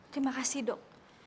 terima kasih dok